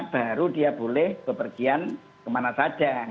baru dia boleh kepergian kemana saja